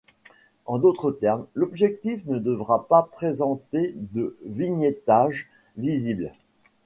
En d'autre termes, l'objectif ne devra pas présenter de vignettage visible.